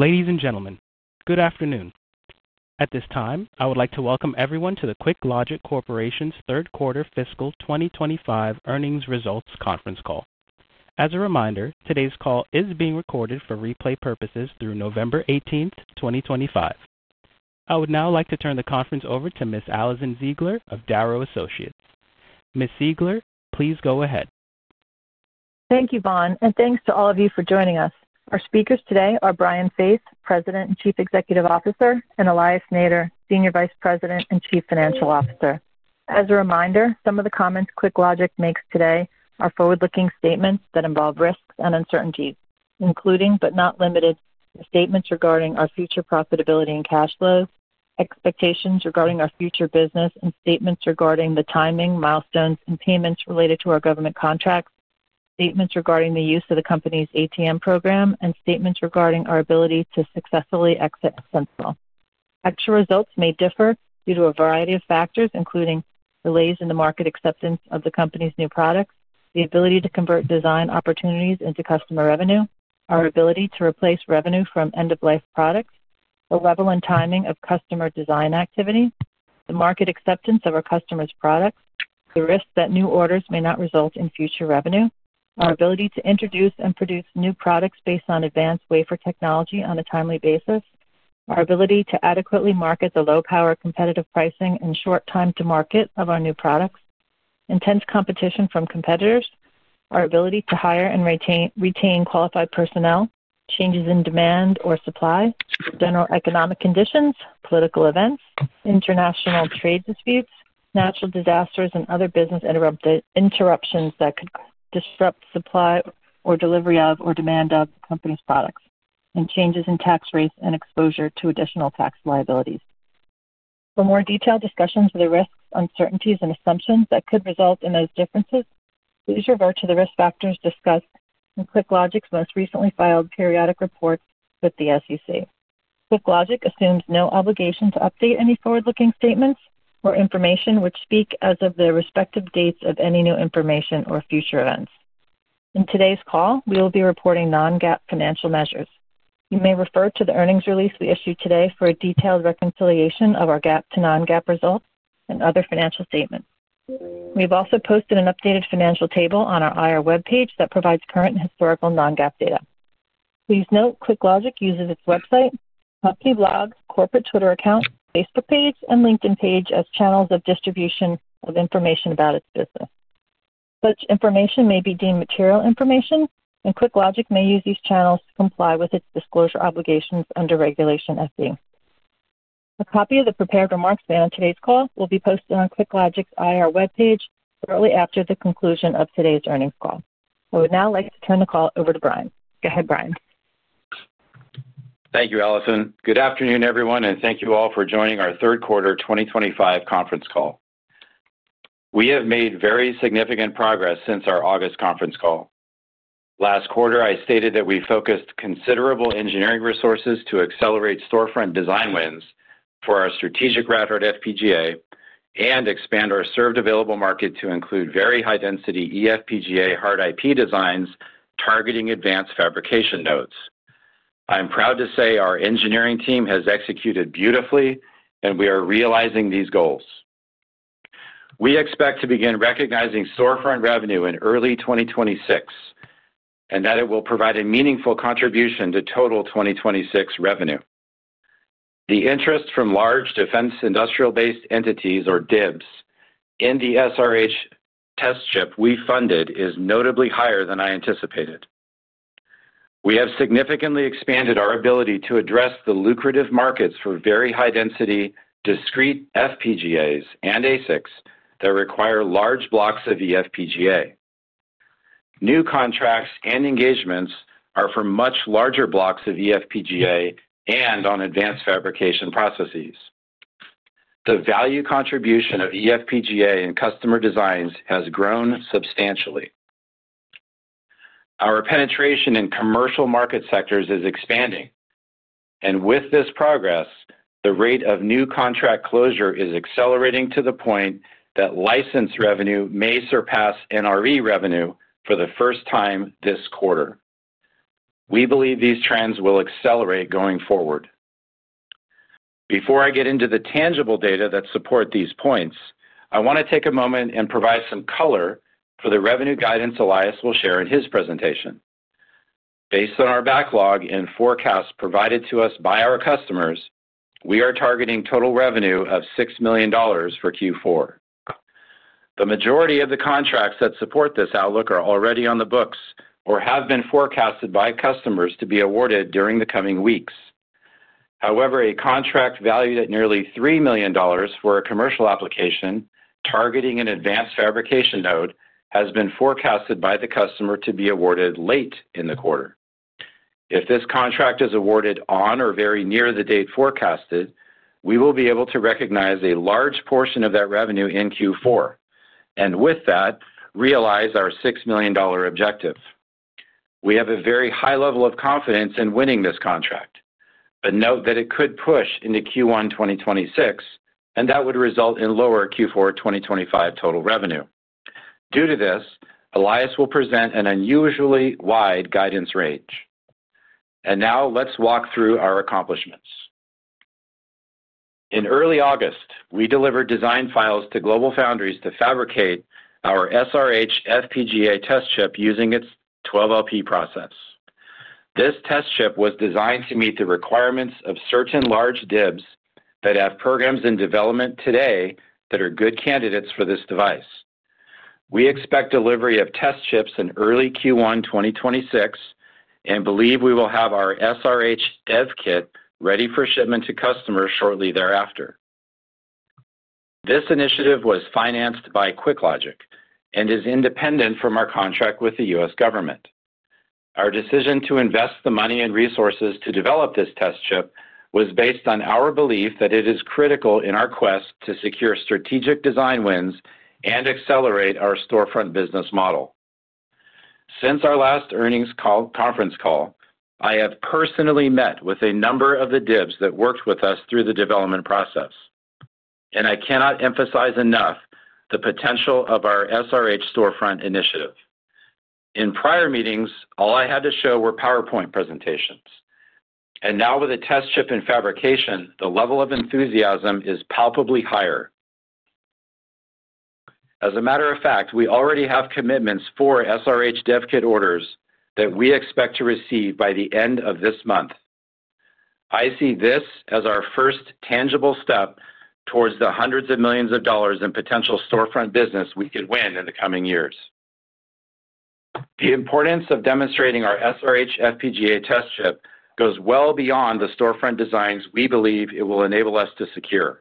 Ladies and gentlemen, good afternoon. At this time, I would like to welcome everyone to the QuickLogic Corporation's Third Quarter Fiscal 2025 earnings results conference call. As a reminder, today's call is being recorded for replay purposes through November 18, 2025. I would now like to turn the conference over to Ms. Alison Ziegler of Darrow Associates. Ms. Ziegler, please go ahead. Thank you, Bon, and thanks to all of you for joining us. Our speakers today are Brian Faith, President and Chief Executive Officer, and Elias Nader, Senior Vice President and Chief Financial Officer. As a reminder, some of the comments QuickLogic makes today are forward-looking statements that involve risks and uncertainties, including but not limited to statements regarding our future profitability and cash flows, expectations regarding our future business, and statements regarding the timing, milestones, and payments related to our government contracts, statements regarding the use of the company's ATM program, and statements regarding our ability to successfully exit a fence wall. Actual results may differ due to a variety of factors, including delays in the market acceptance of the company's new products, the ability to convert design opportunities into customer revenue, our ability to replace revenue from end-of-life products, the level and timing of customer design activity, the market acceptance of our customers' products, the risk that new orders may not result in future revenue, our ability to introduce and produce new products based on advanced wafer technology on a timely basis, our ability to adequately market the low-power competitive pricing and short time-to-market of our new products, intense competition from competitors, our ability to hire and retain qualified personnel, changes in demand or supply, general economic conditions, political events, international trade disputes, natural disasters, and other business interruptions that could disrupt supply or delivery of or demand of the company's products, and changes in tax rates and exposure to additional tax liabilities. For more detailed discussions of the risks, uncertainties, and assumptions that could result in those differences, please refer to the risk factors discussed in QuickLogic's most recently filed periodic report with the SEC. QuickLogic assumes no obligation to update any forward-looking statements or information which speak as of the respective dates of any new information or future events. In today's call, we will be reporting non-GAAP financial measures. You may refer to the earnings release we issued today for a detailed reconciliation of our GAAP to non-GAAP results and other financial statements. We have also posted an updated financial table on our IR web page that provides current historical non-GAAP data. Please note QuickLogic uses its website, company blog, corporate Twitter account, Facebook page, and LinkedIn page as channels of distribution of information about its business. Such information may be deemed material information, and QuickLogic may use these channels to comply with its disclosure obligations under Regulation FD. A copy of the prepared remarks made on today's call will be posted on QuickLogic's IR web page shortly after the conclusion of today's earnings call. I would now like to turn the call over to Brian. Go ahead, Brian. Thank you, Alison. Good afternoon, everyone, and thank you all for joining our Third Quarter 2025 conference call. We have made very significant progress since our August conference call. Last quarter, I stated that we focused considerable engineering resources to accelerate storefront design wins for our strategic route at FPGA and expand our served available market to include very high-density eFPGA hard IP designs targeting advanced fabrication nodes. I'm proud to say our engineering team has executed beautifully, and we are realizing these goals. We expect to begin recognizing storefront revenue in early 2026 and that it will provide a meaningful contribution to total 2026 revenue. The interest from large defense industrial-based entities, or DIBs, in the SRH test chip we funded is notably higher than I anticipated. We have significantly expanded our ability to address the lucrative markets for very high-density discrete FPGAs and ASICs that require large blocks of eFPGA. New contracts and engagements are for much larger blocks of eFPGA and on Advanced Fabrication Processes. The value contribution of eFPGA and customer designs has grown substantially. Our penetration in commercial market sectors is expanding, and with this progress, the rate of new contract closure is accelerating to the point that license revenue may surpass NRE revenue for the first time this quarter. We believe these trends will accelerate going forward. Before I get into the tangible data that support these points, I want to take a moment and provide some color for the revenue guidance Elias will share in his presentation. Based on our backlog and forecasts provided to us by our customers, we are targeting total revenue of $6 million for Q4. The majority of the contracts that support this outlook are already on the books or have been forecasted by customers to be awarded during the coming weeks. However, a contract valued at nearly $3 million for a commercial application targeting an advanced fabrication node has been forecasted by the customer to be awarded late in the quarter. If this contract is awarded on or very near the date forecasted, we will be able to recognize a large portion of that revenue in Q4 and, with that, realize our $6 million objective. We have a very high level of confidence in winning this contract, but note that it could push into Q1 2026, and that would result in lower Q4 2025 total revenue. Due to this, Elias will present an unusually wide guidance range. Now, let's walk through our accomplishments. In early August, we delivered design files to GlobalFoundries to fabricate our SRH FPGA test chip using its 12LP process. This test chip was designed to meet the requirements of certain large DIBs that have programs in development today that are good candidates for this device. We expect delivery of test chips in early Q1 2026 and believe we will have our SRH dev kit ready for shipment to customers shortly thereafter. This initiative was financed by QuickLogic and is independent from our contract with the U.S. government. Our decision to invest the money and resources to develop this test chip was based on our belief that it is critical in our quest to secure strategic design wins and accelerate our storefront business model. Since our last earnings conference call, I have personally met with a number of the DIBs that worked with us through the development process, and I cannot emphasize enough the potential of our SRH storefront initiative. In prior meetings, all I had to show were PowerPoint presentations, and now, with a test chip in fabrication, the level of enthusiasm is palpably higher. As a matter of fact, we already have commitments for SRH dev kit orders that we expect to receive by the end of this month. I see this as our first tangible step towards the hundreds of millions of dollars in potential storefront business we could win in the coming years. The importance of demonstrating our SRH FPGA test chip goes well beyond the storefront designs we believe it will enable us to secure.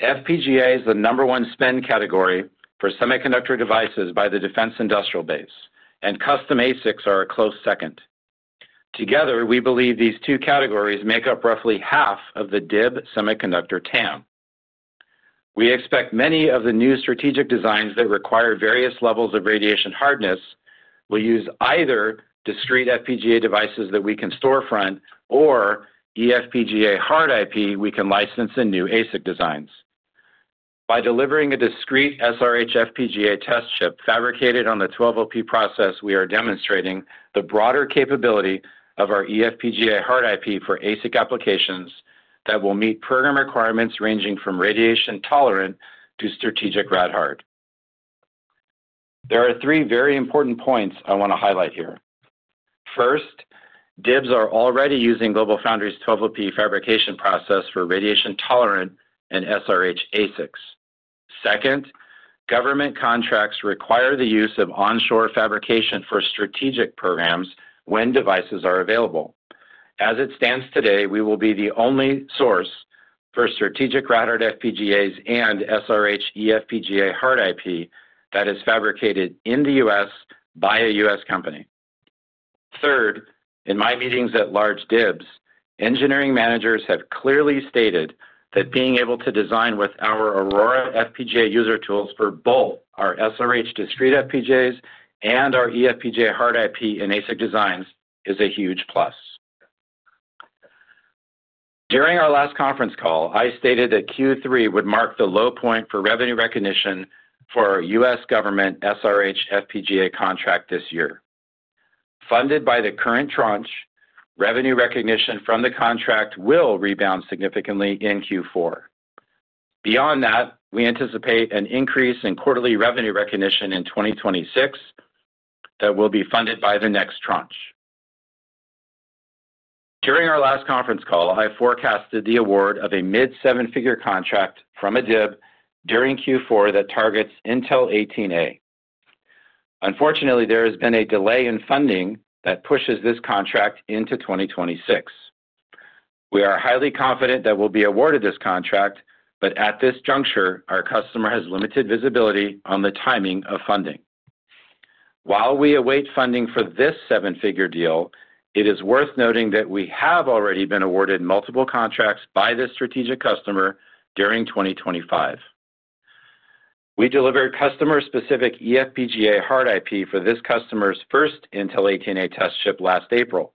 FPGA is the number one spend category for semiconductor devices by the defense industrial base, and custom ASICs are a close second. Together, we believe these two categories make up roughly half of the DIB semiconductor TAM. We expect many of the new strategic designs that require various levels of radiation hardness will use either discrete FPGA devices that we can storefront or eFPGA hard IP we can license in new ASIC designs. By delivering a discrete SRH FPGA test chip fabricated on the 12LP process, we are demonstrating the broader capability of our eFPGA hard IP for ASIC applications that will meet program requirements ranging from radiation tolerant to strategic rad hard. There are three very important points I want to highlight here. First, DIBs are already using GlobalFoundries' 12LP fabrication process for radiation tolerant and SRH ASICs. Second, government contracts require the use of onshore fabrication for strategic programs when devices are available. As it stands today, we will be the only source for strategic Rad-Hard FPGAs and SRH eFPGA hard IP that is fabricated in the U.S. by a US company. Third, in my meetings at large DIBs, engineering managers have clearly stated that being able to design with our Aurora FPGA user tools for both our SRH discrete FPGAs and our eFPGA hard IP and ASIC designs is a huge plus. During our last conference call, I stated that Q3 would mark the low point for revenue recognition for a US government SRH FPGA contract this year. Funded by the current tranche, revenue recognition from the contract will rebound significantly in Q4. Beyond that, we anticipate an increase in quarterly revenue recognition in 2026 that will be funded by the next tranche. During our last conference call, I forecasted the award of a mid-seven-figure contract from a DIB during Q4 that targets Intel 18A. Unfortunately, there has been a delay in funding that pushes this contract into 2026. We are highly confident that we'll be awarded this contract, but at this juncture, our customer has limited visibility on the timing of funding. While we await funding for this seven-figure deal, it is worth noting that we have already been awarded multiple contracts by this strategic customer during 2025. We delivered customer-specific eFPGA hard IP for this customer's first Intel 18A test chip last April.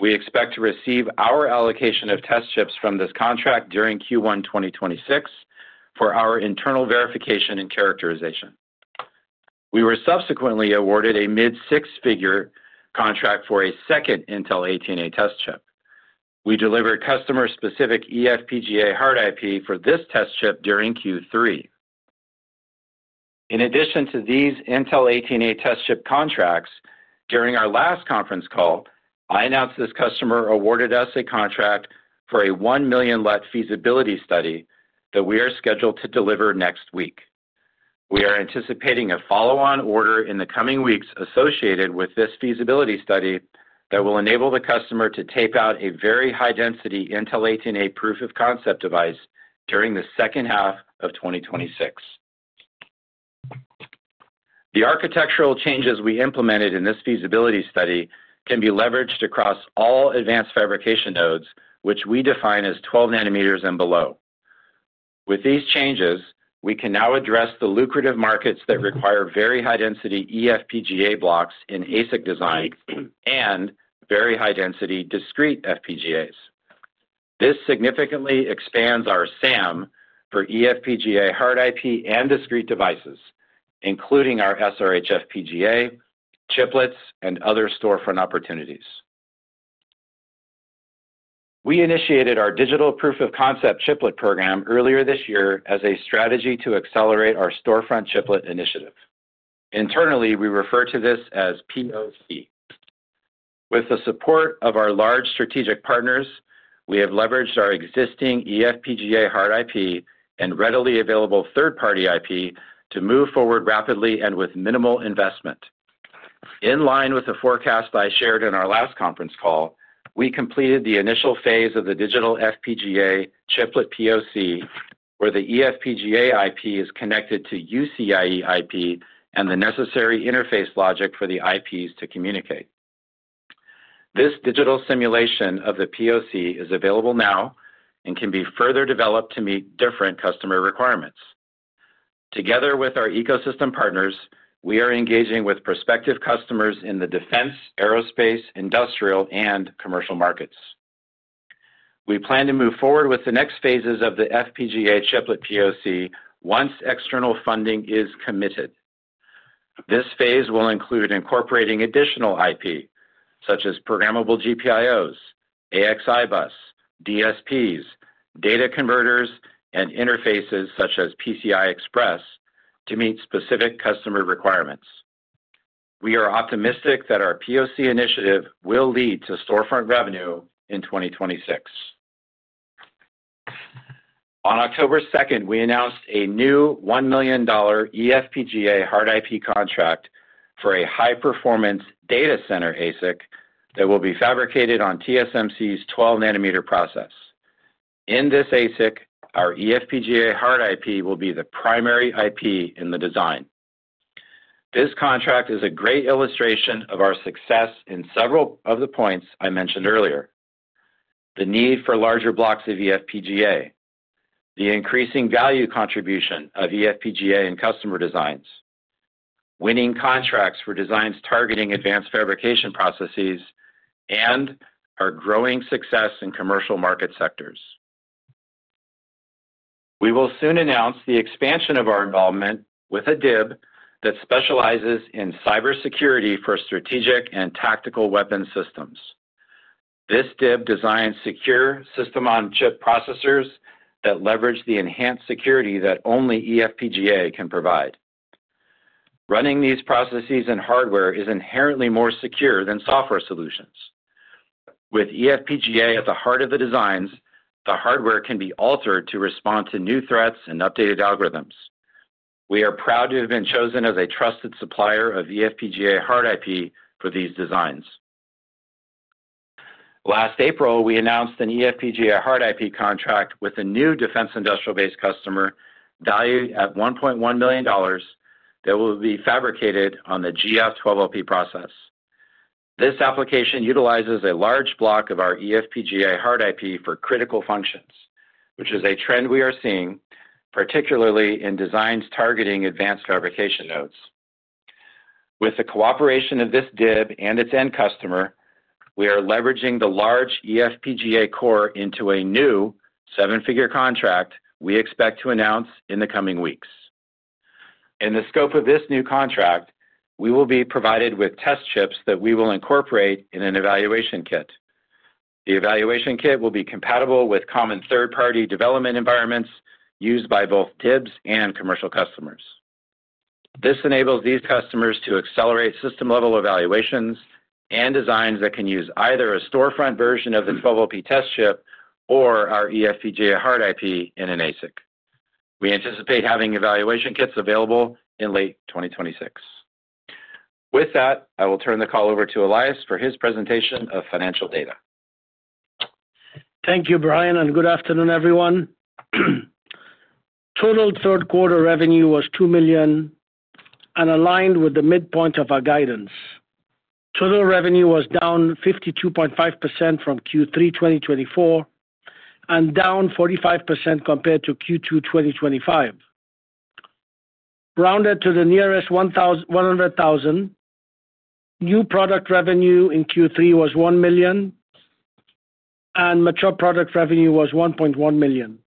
We expect to receive our allocation of test chips from this contract during Q1 2026 for our internal verification and characterization. We were subsequently awarded a mid-six-figure contract for a second Intel 18A test chip. We delivered customer-specific eFPGA hard IP for this test chip during Q3. In addition to these Intel 18A test chip contracts, during our last conference call, I announced this customer awarded us a contract for a $1 million LET feasibility study that we are scheduled to deliver next week. We are anticipating a follow-on order in the coming weeks associated with this feasibility study that will enable the customer to tape out a very high-density Intel 18A proof of concept device during the second half of 2026. The architectural changes we implemented in this feasibility study can be leveraged across all advanced fabrication nodes, which we define as 12 nm and below. With these changes, we can now address the lucrative markets that require very high-density eFPGA blocks in ASIC design and very high-density discrete FPGAs. This significantly expands our SAM for eFPGA hard IP and discrete devices, including our SRH FPGA, chiplets, and other storefront opportunities. We initiated our digital proof of concept chiplet program earlier this year as a strategy to accelerate our storefront chiplet initiative. Internally, we refer to this as POC. With the support of our large strategic partners, we have leveraged our existing eFPGA hard IP and readily available third-party IP to move forward rapidly and with minimal investment. In line with the forecast I shared in our last conference call, we completed the initial phase of the digital FPGA chiplet POC, where the eFPGA IP is connected to UCIE IP and the necessary interface logic for the IPs to communicate. This digital simulation of the POC is available now and can be further developed to meet different customer requirements. Together with our ecosystem partners, we are engaging with prospective customers in the defense, aerospace, industrial, and commercial markets. We plan to move forward with the next phases of the FPGA chiplet POC once external funding is committed. This phase will include incorporating additional IP, such as programmable GPIOs, AXI bus, DSPs, data converters, and interfaces such as PCI Express to meet specific customer requirements. We are optimistic that our POC initiative will lead to storefront revenue in 2026. On October 2nd, we announced a new $1 million eFPGA hard IP contract for a high-performance data center ASIC that will be fabricated on TSMC's 12-nm process. In this ASIC, our eFPGA hard IP will be the primary IP in the design. This contract is a great illustration of our success in several of the points I mentioned earlier: the need for larger blocks of eFPGA, the increasing value contribution of eFPGA and customer designs, winning contracts for designs targeting advanced fabrication processes, and our growing success in commercial market sectors. We will soon announce the expansion of our involvement with a DIB that specializes in cybersecurity for strategic and tactical weapons systems. This DIB designs secure system-on-chip processors that leverage the enhanced security that only eFPGA can provide. Running these processes and hardware is inherently more secure than software solutions. With eFPGA at the heart of the designs, the hardware can be altered to respond to new threats and updated algorithms. We are proud to have been chosen as a trusted supplier of eFPGA hard IP for these designs. Last April, we announced an eFPGA hard IP contract with a new defense industrial-based customer valued at $1.1 million that will be fabricated on the GF 12LP process. This application utilizes a large block of our eFPGA hard IP for critical functions, which is a trend we are seeing, particularly in designs targeting advanced fabrication nodes. With the cooperation of this DIB and its end customer, we are leveraging the large eFPGA core into a new seven-figure contract we expect to announce in the coming weeks. In the scope of this new contract, we will be provided with test chips that we will incorporate in an evaluation kit. The evaluation kit will be compatible with common third-party development environments used by both DIBs and commercial customers. This enables these customers to accelerate system-level evaluations and designs that can use either a storefront version of the 12LP test chip or our eFPGA hard IP in an ASIC. We anticipate having evaluation kits available in late 2026. With that, I will turn the call over to Elias for his presentation of financial data. Thank you, Brian, and good afternoon, everyone. Total third-quarter revenue was $2 million and aligned with the midpoint of our guidance. Total revenue was down 52.5% from Q3 2024 and down 45% compared to Q2 2025. Rounded to the nearest $100,000, new product revenue in Q3 was $1 million, and mature product revenue was $1.1 million.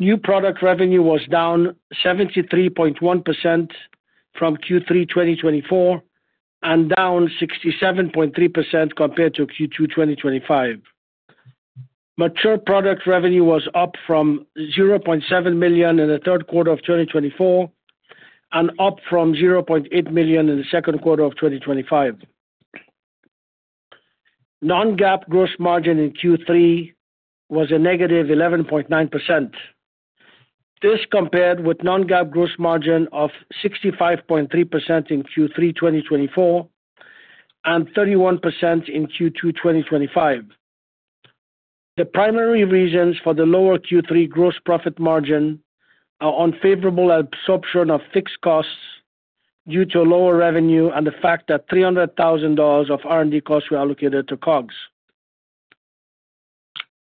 New product revenue was down 73.1% from Q3 2024 and down 67.3% compared to Q2 2025. Mature product revenue was up from $0.7 million in the third quarter of 2024 and up from $0.8 million in the second quarter of 2025. Non-GAAP gross margin in Q3 was a negative 11.9%. This compared with non-GAAP gross margin of 65.3% in Q3 2024 and 31% in Q2 2025. The primary reasons for the lower Q3 gross profit margin are unfavorable absorption of fixed costs due to lower revenue and the fact that $300,000 of R&D costs were allocated to COGS.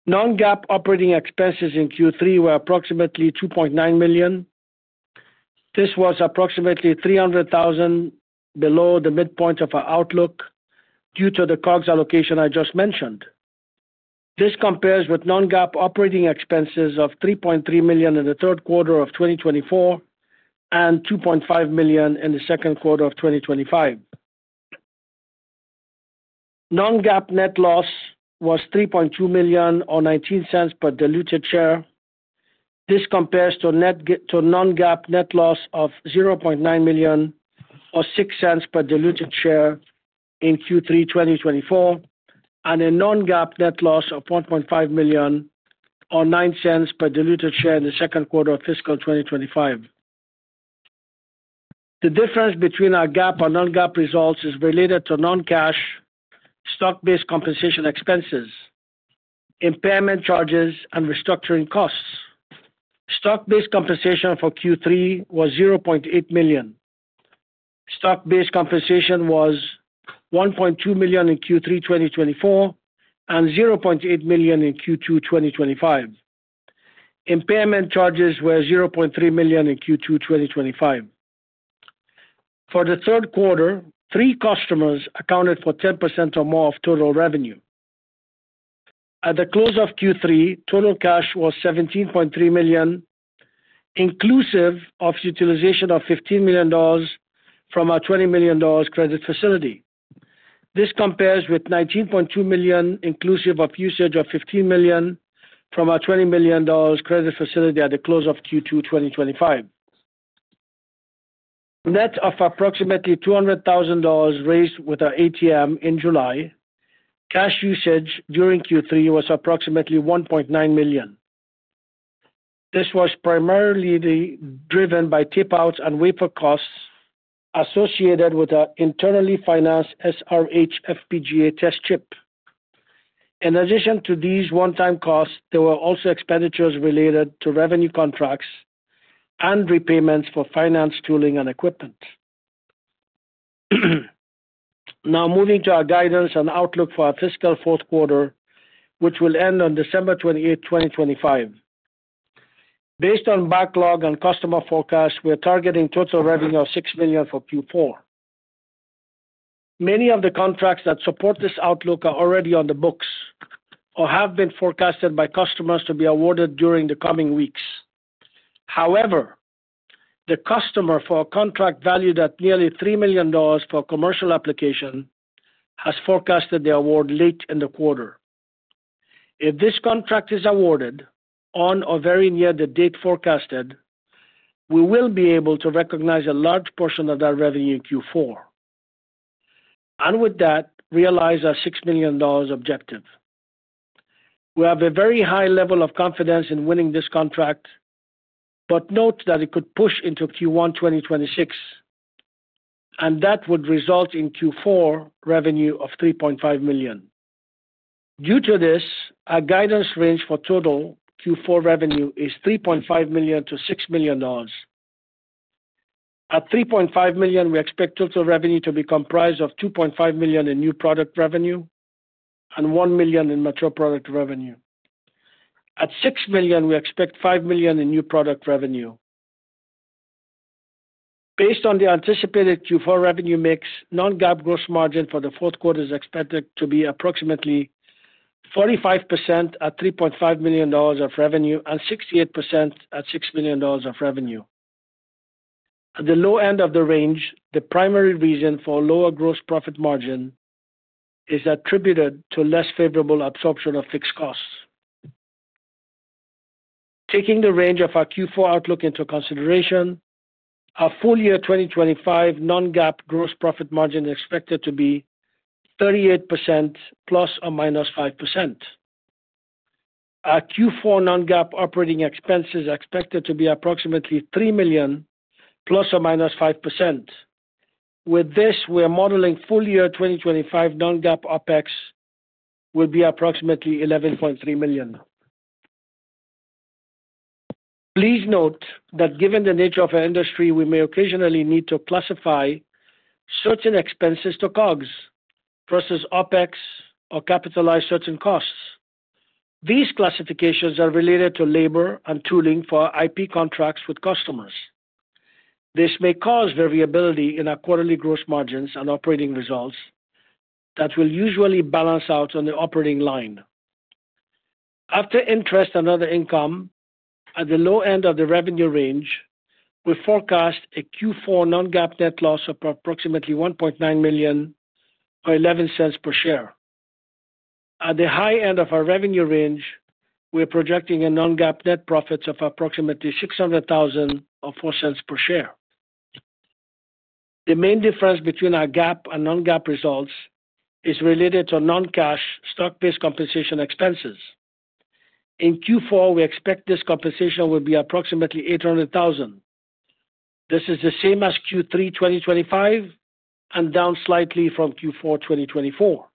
Non-GAAP operating expenses in Q3 were approximately $2.9 million. This was approximately $300,000 below the midpoint of our outlook due to the COGS allocation I just mentioned. This compares with non-GAAP operating expenses of $3.3 million in the third quarter of 2024 and $2.5 million in the second quarter of 2025. Non-GAAP net loss was $3.2 million or $0.19 per diluted share. This compares to non-GAAP net loss of $0.9 million or $0.06 per diluted share in Q3 2024 and a non-GAAP net loss of $1.5 million or $0.09 per diluted share in the second quarter of fiscal 2025. The difference between our GAAP and non-GAAP results is related to non-cash stock-based compensation expenses, impairment charges, and restructuring costs. Stock-based compensation for Q3 was $0.8 million. Stock-based compensation was $1.2 million in Q3 2024 and $0.8 million in Q2 2025. Impairment charges were $0.3 million in Q2 2025. For the third quarter, three customers accounted for 10% or more of total revenue. At the close of Q3, total cash was $17.3 million, inclusive of utilization of $15 million from our $20 million credit facility. This compares with $19.2 million inclusive of usage of $15 million from our $20 million credit facility at the close of Q2 2025. Net of approximately $200,000 raised with our ATM in July, cash usage during Q3 was approximately $1.9 million. This was primarily driven by tape-outs and waiver costs associated with our internally financed SRH FPGA test chip. In addition to these one-time costs, there were also expenditures related to revenue contracts and repayments for finance, tooling, and equipment. Now, moving to our guidance and outlook for our fiscal fourth quarter, which will end on December 28, 2025. Based on backlog and customer forecasts, we are targeting total revenue of $6 million for Q4. Many of the contracts that support this outlook are already on the books or have been forecasted by customers to be awarded during the coming weeks. However, the customer for a contract valued at nearly $3 million for commercial application has forecasted the award late in the quarter. If this contract is awarded on or very near the date forecasted, we will be able to recognize a large portion of that revenue in Q4 and with that realize our $6 million objective. We have a very high level of confidence in winning this contract, but note that it could push into Q1 2026, and that would result in Q4 revenue of $3.5 million. Due to this, our guidance range for total Q4 revenue is $3.5 million-$6 million. At $3.5 million, we expect total revenue to be comprised of $2.5 million in new product revenue and $1 million in mature product revenue. At $6 million, we expect $5 million in new product revenue. Based on the anticipated Q4 revenue mix, non-GAAP gross margin for the fourth quarter is expected to be approximately 45% at $3.5 million of revenue and 68% at $6 million of revenue. At the low end of the range, the primary reason for lower gross profit margin is attributed to less favorable absorption of fixed costs. Taking the range of our Q4 outlook into consideration, our full year 2025 non-GAAP gross profit margin is expected to be 38%, ±5%. Our Q4 non-GAAP operating expenses are expected to be approximately $3 million, ±5%. With this, we are modeling full year 2025 non-GAAP OpEx will be approximately $11.3 million. Please note that given the nature of our industry, we may occasionally need to classify certain expenses to COGS vs OpEx or capitalize certain costs. These classifications are related to labor and tooling for IP contracts with customers. This may cause variability in our quarterly gross margins and operating results that will usually balance out on the operating line. After interest and other income, at the low end of the revenue range, we forecast a Q4 non-GAAP net loss of approximately $1.9 million or $0.11 per share. At the high end of our revenue range, we are projecting a non-GAAP net profit of approximately $600,000 or 4 cents per share. The main difference between our GAAP and non-GAAP results is related to non-cash stock-based compensation expenses. In Q4, we expect this compensation will be approximately $800,000. This is the same as Q3 2025 and down slightly from Q4 2024.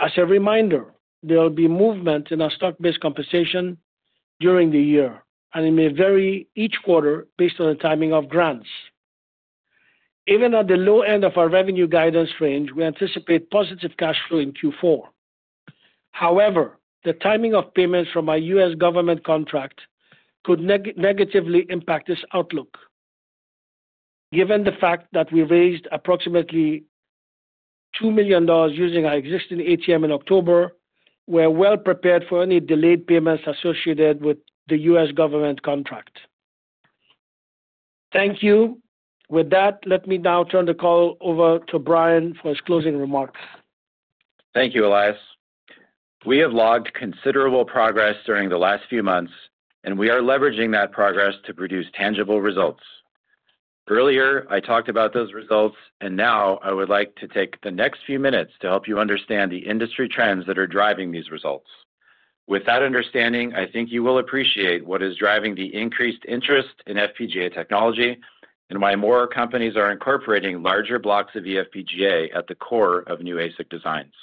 As a reminder, there will be movement in our stock-based compensation during the year, and it may vary each quarter based on the timing of grants. Even at the low end of our revenue guidance range, we anticipate positive cash flow in Q4. However, the timing of payments from our US government contract could negatively impact this outlook. Given the fact that we raised approximately $2 million using our existing ATM in October, we are well prepared for any delayed payments associated with the US government contract. Thank you. With that, let me now turn the call over to Brian for his closing remarks. Thank you, Elias. We have logged considerable progress during the last few months, and we are leveraging that progress to produce tangible results. Earlier, I talked about those results, and now I would like to take the next few minutes to help you understand the industry trends that are driving these results. With that understanding, I think you will appreciate what is driving the increased interest in FPGA technology and why more companies are incorporating larger blocks of eFPGA at the core of new ASIC designs.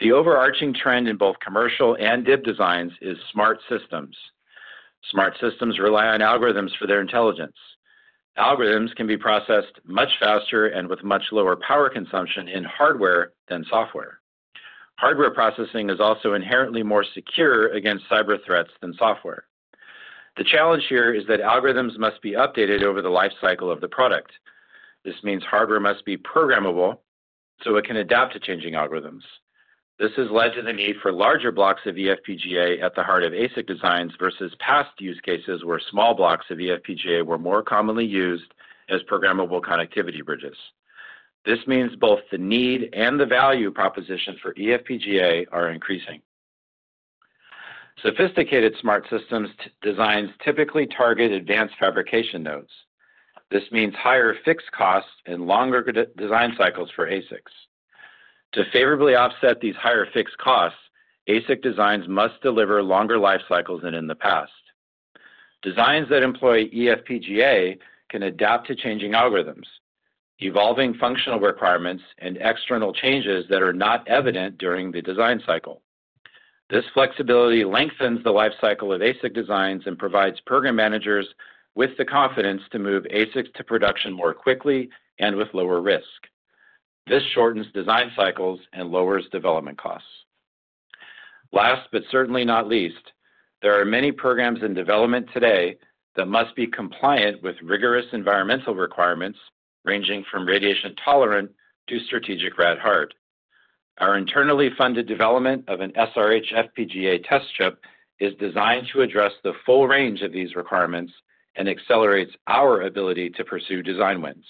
The overarching trend in both commercial and DIB designs is smart systems. Smart systems rely on algorithms for their intelligence. Algorithms can be processed much faster and with much lower power consumption in hardware than software. Hardware processing is also inherently more secure against cyber threats than software. The challenge here is that algorithms must be updated over the lifecycle of the product. This means hardware must be programmable so it can adapt to changing algorithms. This has led to the need for larger blocks of eFPGA at the heart of ASIC designs vs past use cases where small blocks of eFPGA were more commonly used as programmable connectivity bridges. This means both the need and the value propositions for eFPGA are increasing. Sophisticated smart systems designs typically target advanced fabrication nodes. This means higher fixed costs and longer design cycles for ASICs. To favorably offset these higher fixed costs, ASIC designs must deliver longer lifecycles than in the past. Designs that employ eFPGA can adapt to changing algorithms, evolving functional requirements, and external changes that are not evident during the design cycle. This flexibility lengthens the lifecycle of ASIC designs and provides program managers with the confidence to move ASICs to production more quickly and with lower risk. This shortens design cycles and lowers development costs. Last but certainly not least, there are many programs in development today that must be compliant with rigorous environmental requirements ranging from radiation tolerant to strategic rad-hard. Our internally funded development of an SRH FPGA test chip is designed to address the full range of these requirements and accelerates our ability to pursue design wins.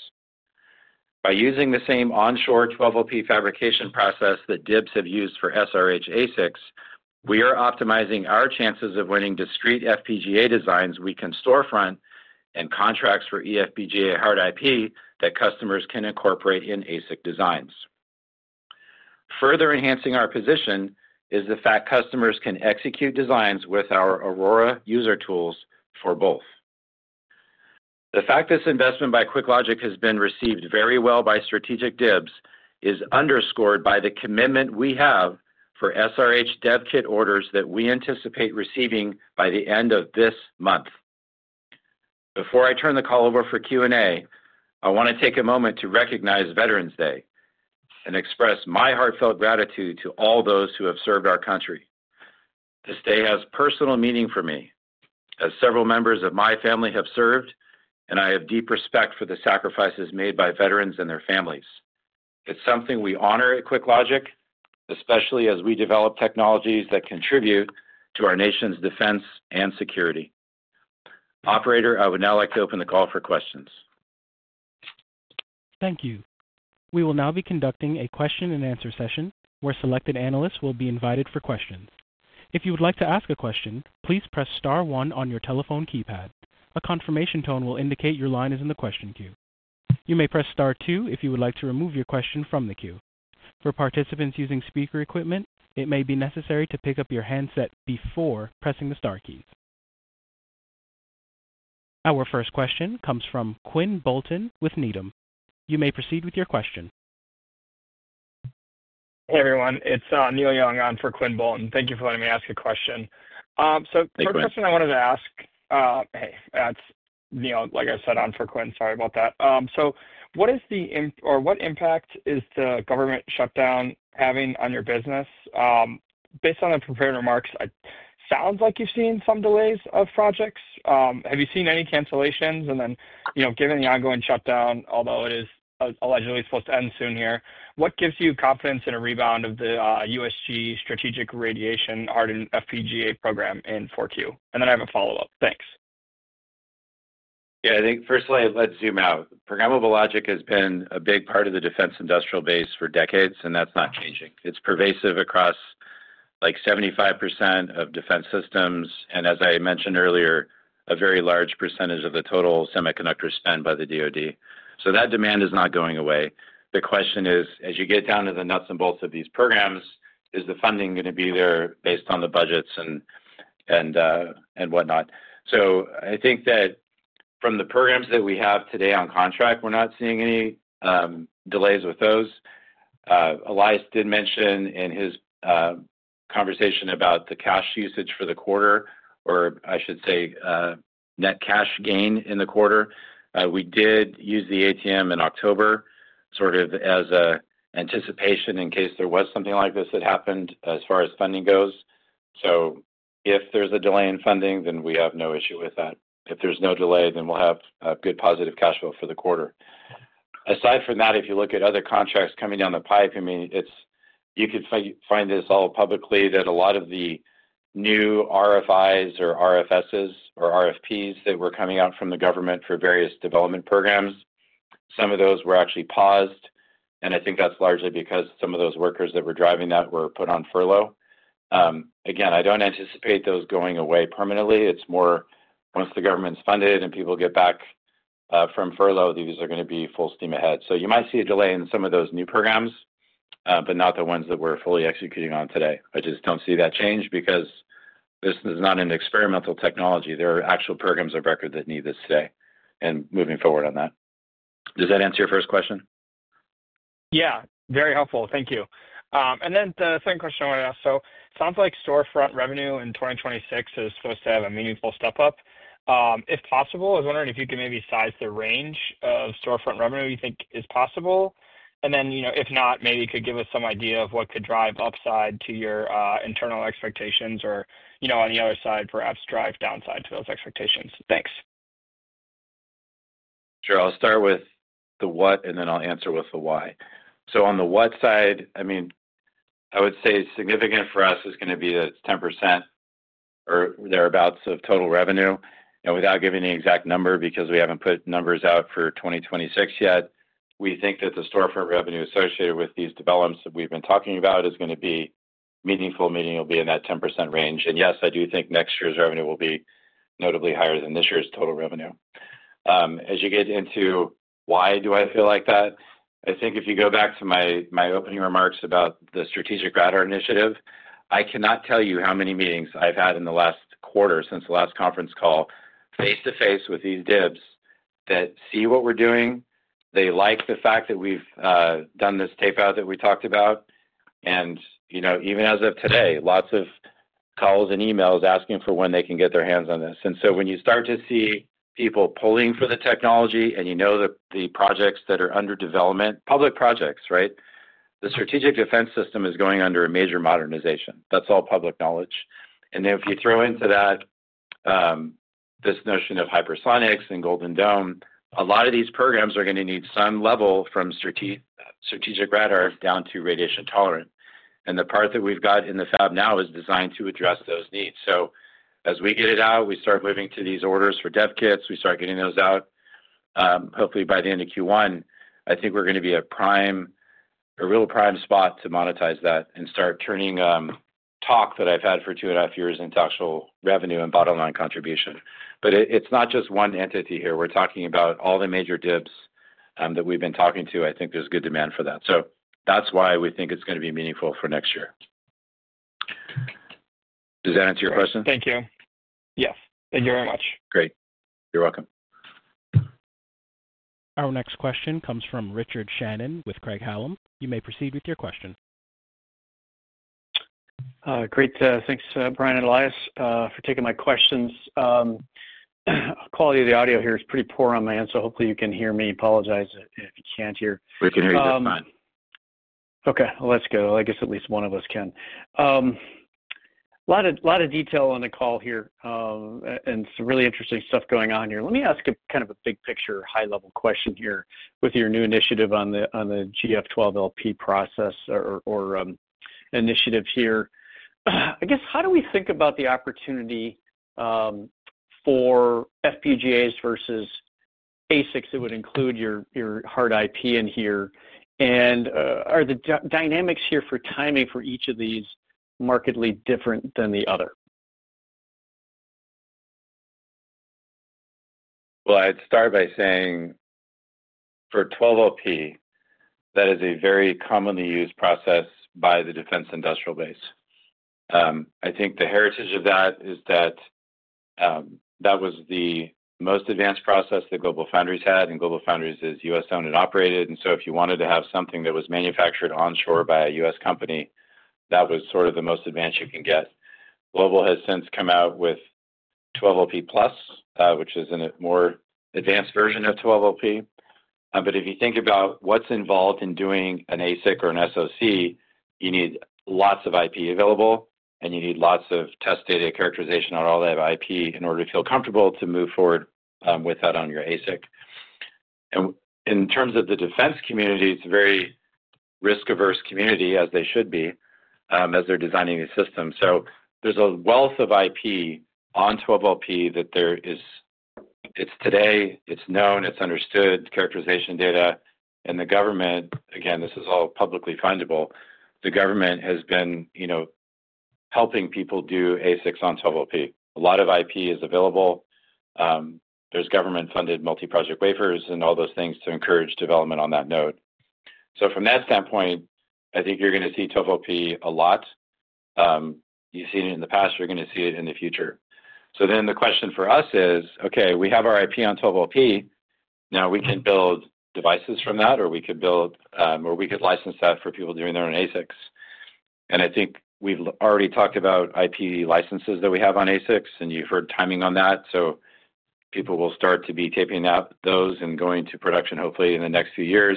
By using the same onshore 12LP fabrication process that DIBs have used for SRH ASICs, we are optimizing our chances of winning discrete FPGA designs we can storefront and contracts for eFPGA hard IP that customers can incorporate in ASIC designs. Further enhancing our position is the fact customers can execute designs with our Aurora user tools for both. The fact this investment by QuickLogic has been received very well by strategic DIBs is underscored by the commitment we have for SRH DevKit orders that we anticipate receiving by the end of this month. Before I turn the call over for Q&A, I want to take a moment to recognize Veterans Day and express my heartfelt gratitude to all those who have served our country. This day has personal meaning for me, as several members of my family have served, and I have deep respect for the sacrifices made by veterans and their families. It's something we honor at QuickLogic, especially as we develop technologies that contribute to our nation's defense and security. Operator, I would now like to open the call for questions. Thank you. We will now be conducting a question-and-answer session where selected analysts will be invited for questions. If you would like to ask a question, please press star one on your telephone keypad. A confirmation tone will indicate your line is in the question queue. You may press star two if you would like to remove your question from the queue. For participants using speaker equipment, it may be necessary to pick up your handset before pressing the star keys. Our first question comes from Quinn Bolton with Needham. You may proceed with your question. Hey, everyone. It's Neil Young on for Quinn Bolton. Thank you for letting me ask a question. The first question I wanted to ask, hey, that's Neil, like I said, on for Quinn. Sorry about that. What is the impact or what impact is the government shutdown having on your business? Based on the prepared remarks, it sounds like you've seen some delays of projects. Have you seen any cancellations? Given the ongoing shutdown, although it is allegedly supposed to end soon here, what gives you confidence in a rebound of the USG strategic radiation hard FPGA program in 4Q? I have a follow-up. Thanks. Yeah, I think firstly, let's zoom out. Programmable logic has been a big part of the defense industrial base for decades, and that's not changing. It's pervasive across like 75% of defense systems and, as I mentioned earlier, a very large percentage of the total semiconductor spend by the DOD. That demand is not going away. The question is, as you get down to the nuts and bolts of these programs, is the funding going to be there based on the budgets and whatnot? I think that from the programs that we have today on contract, we're not seeing any delays with those. Elias did mention in his conversation about the cash usage for the quarter, or I should say net cash gain in the quarter. We did use the ATM in October sort of as an anticipation in case there was something like this that happened as far as funding goes. If there's a delay in funding, then we have no issue with that. If there's no delay, then we'll have a good positive cash flow for the quarter. Aside from that, if you look at other contracts coming down the pipe, I mean, you could find this all publicly that a lot of the new RFIs or RFSs or RFPs that were coming out from the government for various development programs, some of those were actually paused. I think that's largely because some of those workers that were driving that were put on furlough. Again, I don't anticipate those going away permanently. It's more once the government's funded and people get back from furlough, these are going to be full steam ahead. You might see a delay in some of those new programs, but not the ones that we're fully executing on today. I just don't see that change because this is not an experimental technology. There are actual programs of record that need this today and moving forward on that. Does that answer your first question? Yeah. Very helpful. Thank you. The second question I want to ask. It sounds like storefront revenue in 2026 is supposed to have a meaningful step up. If possible, I was wondering if you could maybe size the range of storefront revenue you think is possible. If not, maybe you could give us some idea of what could drive upside to your internal expectations or on the other side, perhaps drive downside to those expectations. Thanks. Sure. I'll start with the what, and then I'll answer with the why. On the what side, I mean, I would say significant for us is going to be that it's 10% or thereabouts of total revenue. Without giving the exact number because we haven't put numbers out for 2026 yet, we think that the storefront revenue associated with these developments that we've been talking about is going to be meaningful, meaning it'll be in that 10% range. Yes, I do think next year's revenue will be notably higher than this year's total revenue. As you get into why do I feel like that? I think if you go back to my opening remarks about the strategic radar initiative, I cannot tell you how many meetings I've had in the last quarter since the last conference call face-to-face with these DIBs that see what we're doing. They like the fact that we've done this tape out that we talked about. Even as of today, lots of calls and emails asking for when they can get their hands on this. When you start to see people pulling for the technology and you know the projects that are under development, public projects, right? The strategic defense system is going under a major modernization. That's all public knowledge. If you throw into that this notion of hypersonics and Golden Dome, a lot of these programs are going to need some level from strategic radar down to radiation tolerant. The part that we've got in the fab now is designed to address those needs. As we get it out, we start moving to these orders for dev kits. We start getting those out. Hopefully, by the end of Q1, I think we're going to be in a real prime spot to monetize that and start turning talk that I've had for two and a half years into actual revenue and bottom-line contribution. It's not just one entity here. We're talking about all the major DIBs that we've been talking to. I think there's good demand for that. That's why we think it's going to be meaningful for next year. Does that answer your question? Thank you. Yes, thank you very much. Great. You're welcome. Our next question comes from Richard Shannon with Craig-Hallum. You may proceed with your question. Great. Thanks, Brian and Elias, for taking my questions. Quality of the audio here is pretty poor on my end, so hopefully you can hear me. Apologize if you can't hear. We can hear you just fine. Okay. Let's go. I guess at least one of us can. A lot of detail on the call here, and some really interesting stuff going on here. Let me ask a kind of a big picture, high-level question here with your new initiative on the GF 12LP process or initiative here. I guess, how do we think about the opportunity for FPGAs vs ASICs that would include your hard IP in here? Are the dynamics here for timing for each of these markedly different than the other? I'd start by saying for 12LP, that is a very commonly used process by the defense industrial base. I think the heritage of that is that that was the most advanced process that GlobalFoundries had, and GlobalFoundries is US-owned and operated. If you wanted to have something that was manufactured onshore by a US company, that was sort of the most advanced you can get. Global has since come out with 12LP Plus, which is a more advanced version of 12LP. If you think about what's involved in doing an ASIC or an SOC, you need lots of IP available, and you need lots of test data characterization on all that IP in order to feel comfortable to move forward with that on your ASIC. In terms of the defense community, it's a very risk-averse community, as they should be, as they're designing these systems. There's a wealth of IP on 12LP that there is. It's today, it's known, it's understood, characterization data. The government, again, this is all publicly findable, the government has been helping people do ASICs on 12LP. A lot of IP is available. There's government-funded multi-project wafers and all those things to encourage development on that node. From that standpoint, I think you're going to see 12LP a lot. You've seen it in the past. You're going to see it in the future. The question for us is, okay, we have our IP on 12LP. Now we can build devices from that, or we could build, or we could license that for people doing their own ASICs. I think we've already talked about IP licenses that we have on ASICs, and you've heard timing on that. People will start to be taping those and going to production hopefully in the next few years.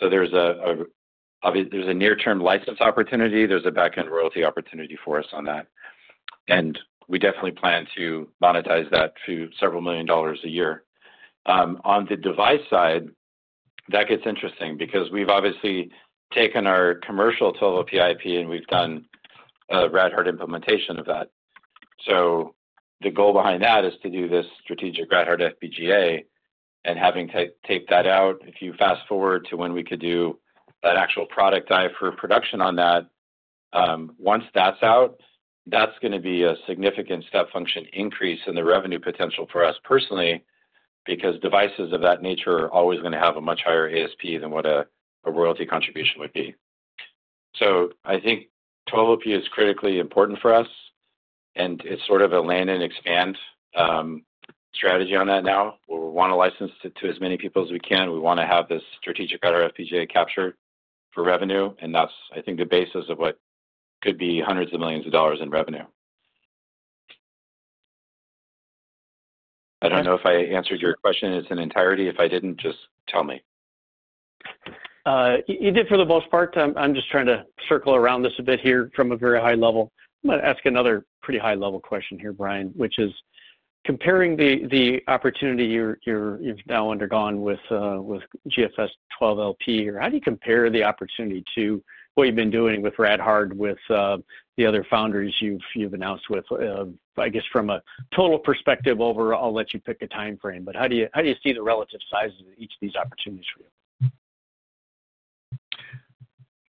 There is a near-term license opportunity. There is a back-end royalty opportunity for us on that. We definitely plan to monetize that to several million dollars a year. On the device side, that gets interesting because we have obviously taken our commercial 12LP IP, and we have done a rad-hard implementation of that. The goal behind that is to do this strategic rad-hard FPGA and having to tape that out. If you fast forward to when we could do that actual product dive for production on that, once that is out, that is going to be a significant step function increase in the revenue potential for us personally because devices of that nature are always going to have a much higher ASP than what a royalty contribution would be. I think 12LP is critically important for us, and it's sort of a land and expand strategy on that now. We want to license it to as many people as we can. We want to have this strategic Rad-Hard FPGA captured for revenue. And that's, I think, the basis of what could be hundreds of millions of dollars in revenue. I don't know if I answered your question in its entirety. If I didn't, just tell me. You did for the most part. I'm just trying to circle around this a bit here from a very high level. I'm going to ask another pretty high-level question here, Brian, which is comparing the opportunity you've now undergone with GlobalFoundries 12LP here. How do you compare the opportunity to what you've been doing with rad-hard with the other foundries you've announced with? I guess from a total perspective over, I'll let you pick a time frame, but how do you see the relative size of each of these opportunities for you?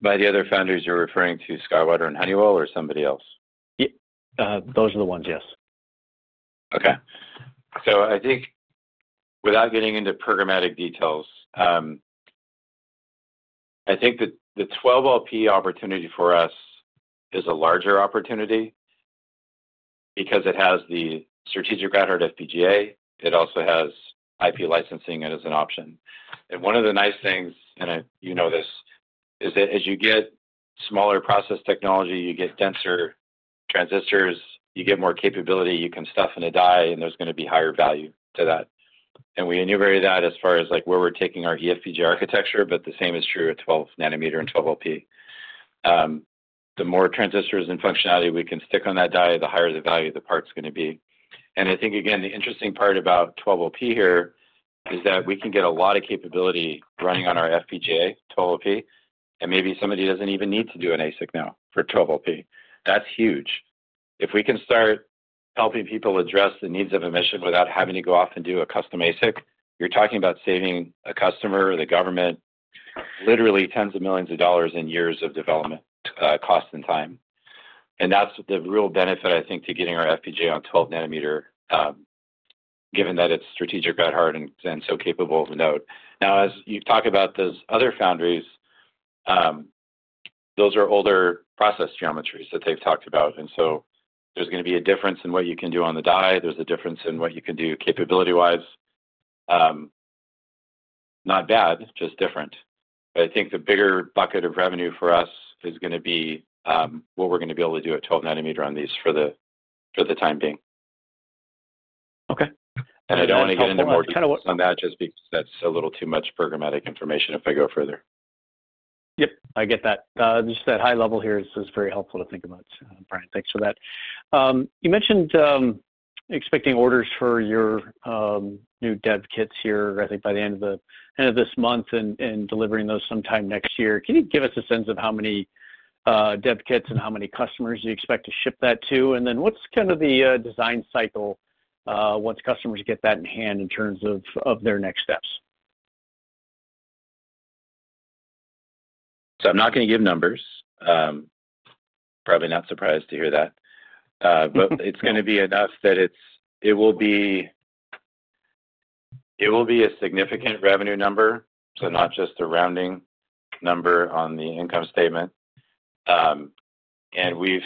By the other founders, you're referring to SkyWater and Honeywell or somebody else? Those are the ones, yes. Okay. I think without getting into programmatic details, I think that the 12LP opportunity for us is a larger opportunity because it has the strategic rad-hard FPGA. It also has IP licensing as an option. One of the nice things, and you know this, is that as you get smaller process technology, you get denser transistors, you get more capability, you can stuff in a die, and there is going to be higher value to that. We enumerate that as far as where we are taking our eFPGA architecture, but the same is true at 12 nm and 12LP. The more transistors and functionality we can stick on that die, the higher the value of the part is going to be. I think, again, the interesting part about 12LP here is that we can get a lot of capability running on our FPGA 12LP, and maybe somebody does not even need to do an ASIC now for 12LP. That is huge. If we can start helping people address the needs of a mission without having to go off and do a custom ASIC, you are talking about saving a customer or the government literally tens of millions of dollars in years of development cost and time. That is the real benefit, I think, to getting our FPGA on 12 nm, given that it is strategic rad-hard and so capable of a node. As you talk about those other foundries, those are older process geometries that they have talked about. There is going to be a difference in what you can do on the die. There is a difference in what you can do capability-wise. Not bad, just different. I think the bigger bucket of revenue for us is going to be what we're going to be able to do at 12 nm on these for the time being. Okay. I do not want to get into more details on that just because that is a little too much programmatic information if I go further. Yep. I get that. Just that high level here is very helpful to think about. Brian, thanks for that. You mentioned expecting orders for your new dev kits here, I think by the end of this month and delivering those sometime next year. Can you give us a sense of how many dev kits and how many customers you expect to ship that to? What's kind of the design cycle once customers get that in hand in terms of their next steps? I'm not going to give numbers. Probably not surprised to hear that. It's going to be enough that it will be a significant revenue number, not just a rounding number on the income statement. Elias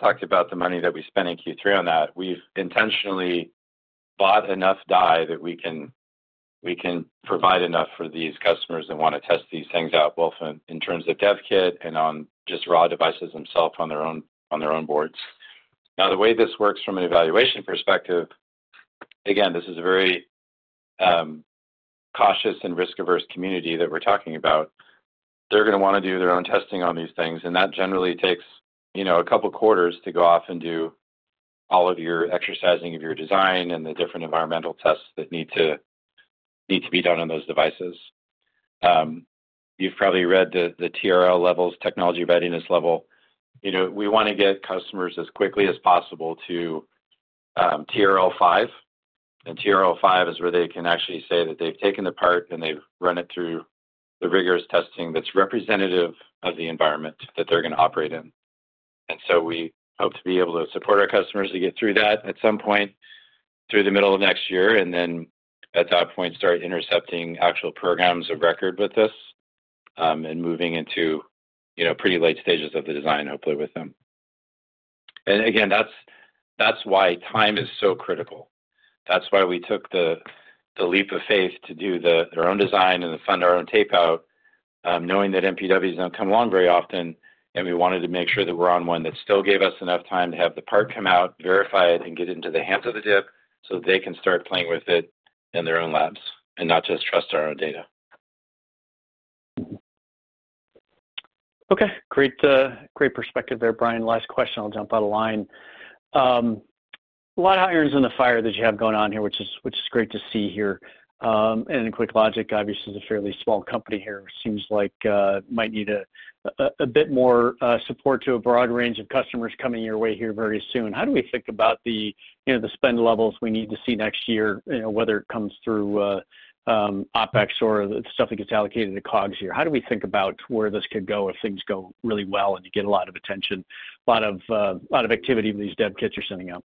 talked about the money that we spent in Q3 on that. We've intentionally bought enough die that we can provide enough for these customers that want to test these things out both in terms of dev kit and on just raw devices themselves on their own boards. The way this works from an evaluation perspective, again, this is a very cautious and risk-averse community that we're talking about. They're going to want to do their own testing on these things. That generally takes a couple of quarters to go off and do all of your exercising of your design and the different environmental tests that need to be done on those devices. You've probably read the TRL levels, technology readiness level. We want to get customers as quickly as possible to TRL 5. TRL 5 is where they can actually say that they've taken the part and they've run it through the rigorous testing that's representative of the environment that they're going to operate in. We hope to be able to support our customers to get through that at some point through the middle of next year, and at that point, start intercepting actual programs of record with this and moving into pretty late stages of the design, hopefully, with them. That is why time is so critical. That's why we took the leap of faith to do our own design and fund our own tape out, knowing that MPWs don't come along very often, and we wanted to make sure that we're on one that still gave us enough time to have the part come out, verify it, and get it into the hands of the DIB so that they can start playing with it in their own labs and not just trust our own data. Okay. Great perspective there, Brian. Last question. I'll jump out of line. A lot of irons in the fire that you have going on here, which is great to see here. And in QuickLogic, obviously, is a fairly small company here. Seems like it might need a bit more support to a broad range of customers coming your way here very soon. How do we think about the spend levels we need to see next year, whether it comes through OpEx or the stuff that gets allocated to COGS here? How do we think about where this could go if things go really well and you get a lot of attention, a lot of activity with these dev kits you're sending out?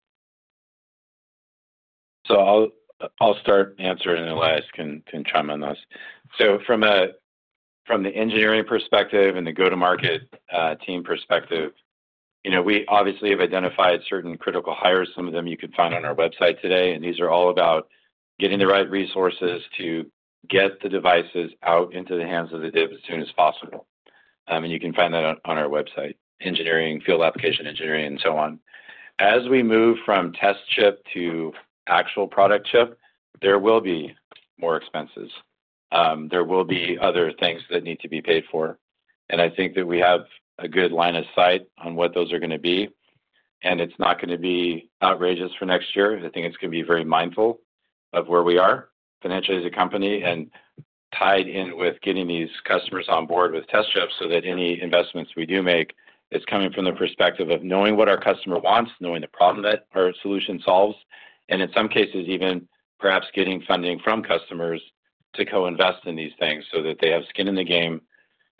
I'll start answering Elias and chime on those. From the engineering perspective and the go-to-market team perspective, we obviously have identified certain critical hires. Some of them you can find on our website today. These are all about getting the right resources to get the devices out into the hands of the DIB as soon as possible. You can find that on our website. Engineering, field application engineering, and so on. As we move from test chip to actual product chip, there will be more expenses. There will be other things that need to be paid for. I think that we have a good line of sight on what those are going to be. It's not going to be outrageous for next year. I think it's going to be very mindful of where we are financially as a company and tied in with getting these customers on board with test chips so that any investments we do make is coming from the perspective of knowing what our customer wants, knowing the problem that our solution solves, and in some cases, even perhaps getting funding from customers to co-invest in these things so that they have skin in the game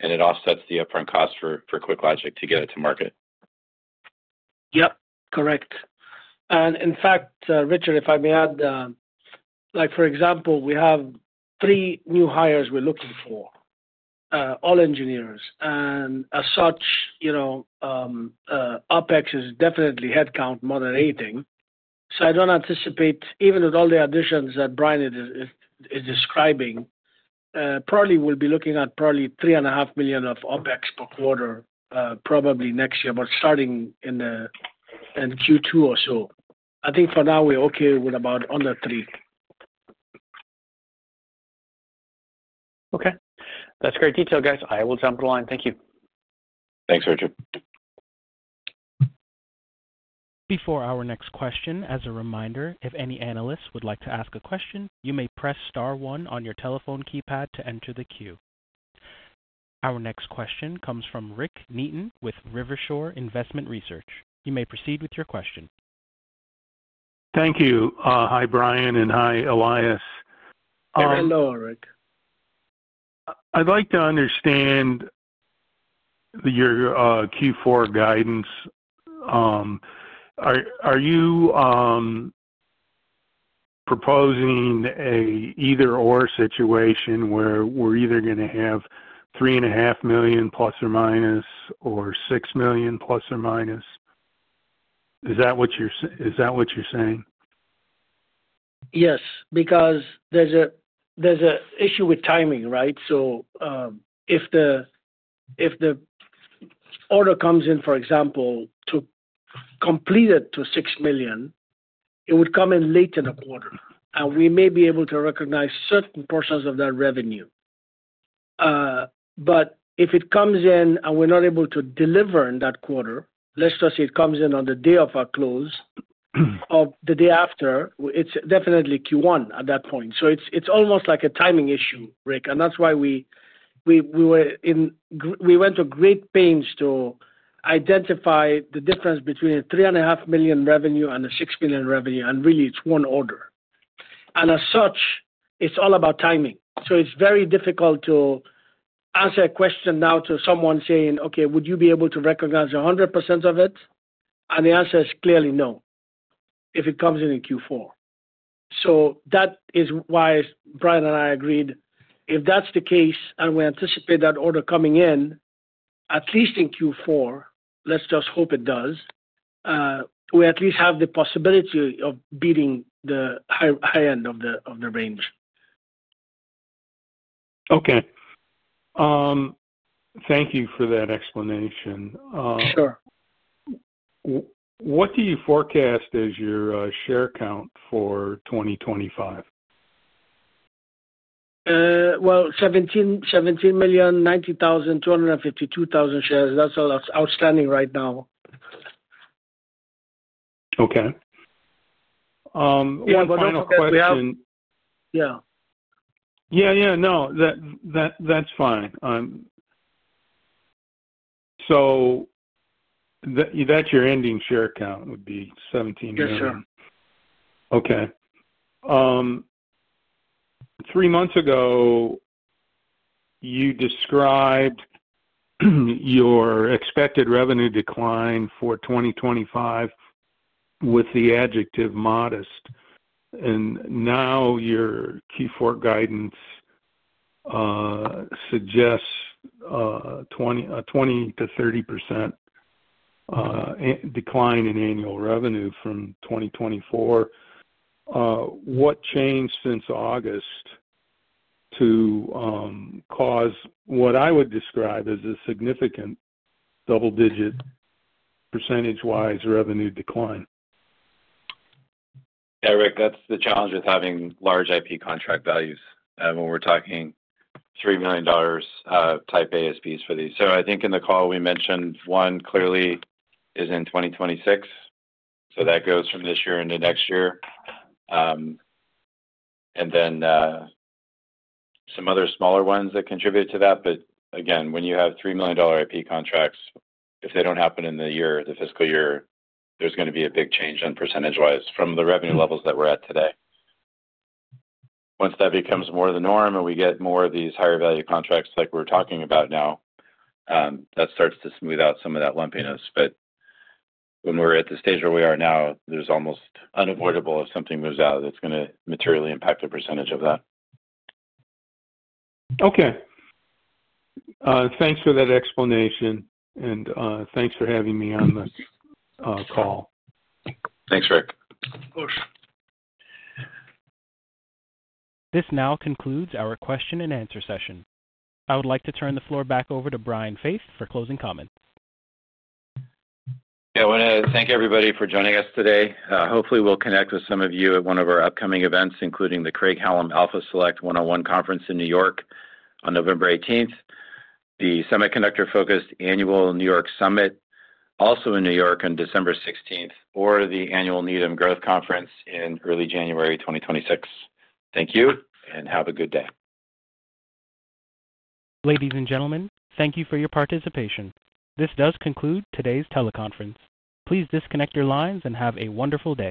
and it offsets the upfront cost for QuickLogic to get it to market. Yep. Correct. In fact, Richard, if I may add, for example, we have three new hires we're looking for, all engineers. As such, OpEx is definitely headcount moderating. I don't anticipate, even with all the additions that Brian is describing, probably we'll be looking at probably $3.5 million of OpEx per quarter probably next year, but starting in Q2 or so. I think for now, we're okay with about under $3 million. Okay. That's great detail, guys. I will jump the line. Thank you. Thanks, Richard. Before our next question, as a reminder, if any analysts would like to ask a question, you may press star one on your telephone keypad to enter the queue. Our next question comes from Rick Neaton with Rivershore Investment Research. You may proceed with your question. Thank you. Hi, Brian, and hi, Elias. Hello, Rick. I'd like to understand your Q4 guidance. Are you proposing an either-or situation where we're either going to have $3.5 million± or $6 million±? Is that what you're saying? Yes, because there's an issue with timing, right? If the order comes in, for example, to complete it to $6 million, it would come in late in the quarter. We may be able to recognize certain portions of that revenue. If it comes in and we're not able to deliver in that quarter, let's just say it comes in on the day of our close, or the day after, it's definitely Q1 at that point. It's almost like a timing issue, Rick. That's why we went to great pains to identify the difference between a $3.5 million revenue and a $6 million revenue. Really, it's one order. As such, it's all about timing. It is very difficult to answer a question now to someone saying, "Okay, would you be able to recognize 100% of it?" The answer is clearly no if it comes in in Q4. That is why Brian and I agreed. If that is the case and we anticipate that order coming in, at least in Q4, let's just hope it does, we at least have the possibility of beating the high end of the range. Okay. Thank you for that explanation. Sure. What do you forecast as your share count for 2025? 17,090,252 shares. That's, that's outstanding right now. Okay. One final question. Yeah. Yeah, yeah. No, that's fine. So that's your ending share count would be 17 million. Yes, sir. Okay. Three months ago, you described your expected revenue decline for 2025 with the adjective modest. And now your Q4 guidance suggests a 20%-30% decline in annual revenue from 2024. What changed since August to cause what I would describe as a significant double-digit percentage-wise revenue decline? Yeah, Rick, that's the challenge with having large IP contract values when we're talking $3 million type ASPs for these. I think in the call, we mentioned one clearly is in 2026. That goes from this year into next year. There are some other smaller ones that contribute to that. Again, when you have $3 million IP contracts, if they do not happen in the year, the fiscal year, there's going to be a big change in % from the revenue levels that we're at today. Once that becomes more of the norm and we get more of these higher-value contracts like we're talking about now, that starts to smooth out some of that lumpiness. When we're at the stage where we are now, it's almost unavoidable if something moves out that's going to materially impact the % of that. Okay. Thanks for that explanation. Thanks for having me on this call. Thanks, Rick. This now concludes our question and answer session. I would like to turn the floor back over to Brian Faith for closing comments. Yeah. I want to thank everybody for joining us today. Hopefully, we'll connect with some of you at one of our upcoming events, including the Craig-Hallum Alpha Select 101 conference in New York on November 18th, the semiconductor-focused annual New York Summit also in New York on December 16th, or the annual Needham Growth Conference in early January 2026. Thank you, and have a good day. Ladies and gentlemen, thank you for your participation. This does conclude today's teleconference. Please disconnect your lines and have a wonderful day.